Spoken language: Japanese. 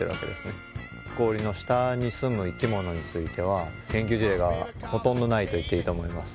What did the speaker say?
氷の下にすむ生き物については研究事例がほとんどないと言っていいと思います。